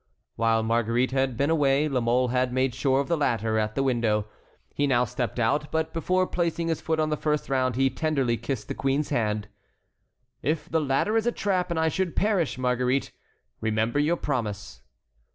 While Marguerite had been away La Mole had made sure of the ladder at the window. He now stepped out, but before placing his foot on the first round he tenderly kissed the queen's hand. "If the ladder is a trap and I should perish, Marguerite, remember your promise."